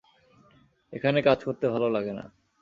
এখানে কাজ করতে ভালো লাগে না?